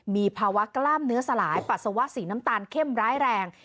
มีภาวะกล้ามเนื้อสลายปัสสาวะสีน้ำตาลเข้มร้ายแรง